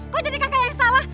kok jadi kakak yang salah